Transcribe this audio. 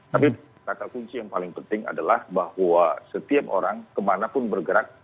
tapi kata kunci yang paling penting adalah bahwa setiap orang kemanapun bergerak